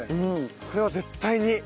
これは絶対に。